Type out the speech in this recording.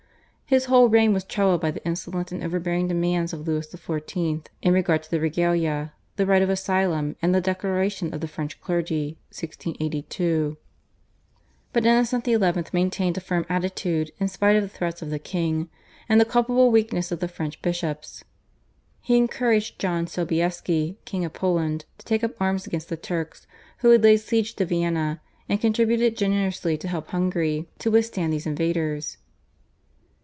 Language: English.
His whole reign was troubled by the insolent and overbearing demands of Louis XIV. in regard to the /Regalia/, the right of asylum, and the Declaration of the French Clergy (1682), but Innocent XI. maintained a firm attitude in spite of the threats of the king and the culpable weakness of the French bishops. He encouraged John Sobieski, King of Poland, to take up arms against the Turks who had laid siege to Vienna, and contributed generously to help Hungary to withstand these invaders.